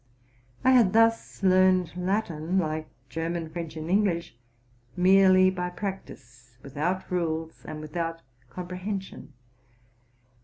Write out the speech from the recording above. T had thus learned Latin, like German, French, and Eng lish, merely by practice, without rules, and without compre hension.